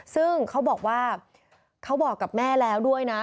ซึ่งเขาบอกว่าเขาบอกกับแม่แล้วด้วยนะ